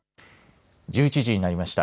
１１時になりました。